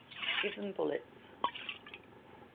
Give them bullets.